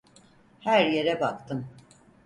Her yere baktım.